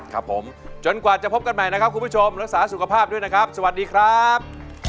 ครับผมจนกว่าจะพบกันใหม่นะครับคุณผู้ชมรักษาสุขภาพด้วยนะครับสวัสดีครับ